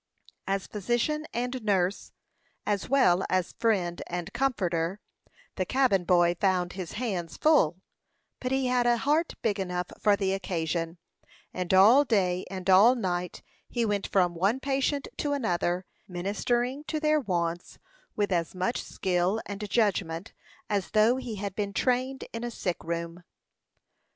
As physician and nurse, as well as friend and comforter, the cabin boy found his hands full; but he had a heart big enough for the occasion; and all day and all night he went from one patient to another, ministering to their wants with as much skill and judgment as though he had been trained in a sick room.